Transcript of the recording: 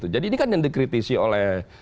jadi ini kan yang dikritisi oleh